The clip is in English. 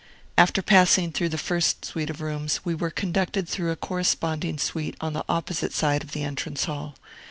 After passing through the first suite of rooms, we were conducted through a corresponding suite on the opposite side of the entrance hall.